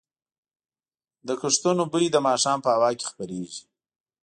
د کښتونو بوی د ماښام په هوا کې خپرېږي.